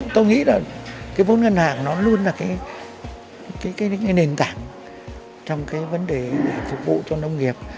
tôi nghĩ là cái vốn ngân hàng nó luôn là cái nền tảng trong cái vấn đề để phục vụ cho nông nghiệp